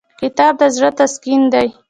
کتاب د زړه تسکین دی.